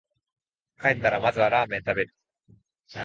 帰ったらまずはラーメン食べる